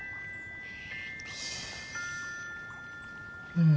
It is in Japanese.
うん。